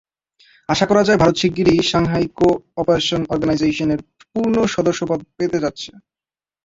আশা করা যায়, ভারত শিগগিরই সাংহাই কো-অপারেশন অর্গানাইজেশনের পূর্ণ সদস্যপদ পেতে যাচ্ছে।